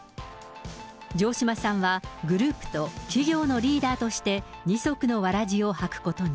城島さんは、グループと企業のリーダーとして、二足のわらじを履くことに。